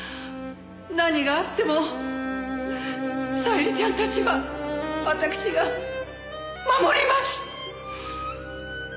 何があっても小百合ちゃんたちはわたくしが守ります。